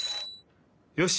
よし！